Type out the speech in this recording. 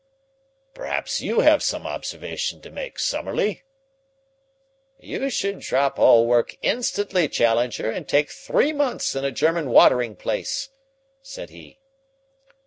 "Perhaps you have some observation to make, Summerlee?" "You should drop all work instantly, Challenger, and take three months in a German watering place," said he.